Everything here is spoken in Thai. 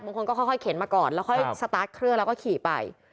ค่อยเข็นมาก่อนแล้วค่อยสตาร์ทเครื่องแล้วก็ขี่ไป